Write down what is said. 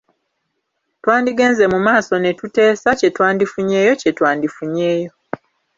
Twandigenze mu maaso ne tuteesa kye twandifunyeeyo kye twandifunyeeyo.